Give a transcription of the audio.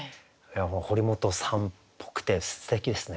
堀本さんっぽくてすてきですね